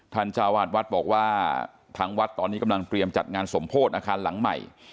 จ้าวาดวัดบอกว่าทางวัดตอนนี้กำลังเตรียมจัดงานสมโพธิอาคารหลังใหม่